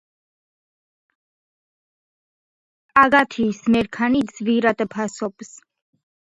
აგათისის მერქანი ძვირად ფასობს.